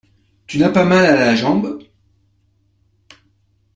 Tu n’as pas mal à la jambe ?